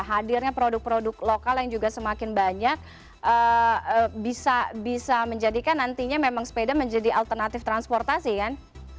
hadirnya produk produk lokal yang juga semakin banyak bisa menjadikan nantinya memang sepeda menjadi alternatif transportasi kan